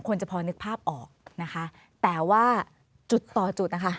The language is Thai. จะพอนึกภาพออกนะคะแต่ว่าจุดต่อจุดนะคะ